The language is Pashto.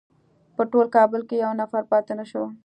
په ټول کابل کې یو نفر پاتې نه شو.